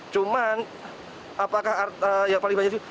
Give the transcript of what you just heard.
cuman apakah yang paling banyak sih